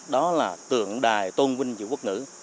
đó là tượng đài tôn vinh chữ quốc ngữ